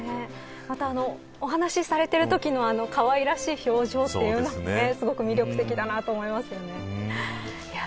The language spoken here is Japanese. お話をされているときの可愛らしい表情というのもすごく魅力的だなと思いますね。